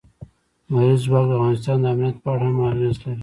لمریز ځواک د افغانستان د امنیت په اړه هم اغېز لري.